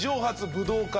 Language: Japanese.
武道館。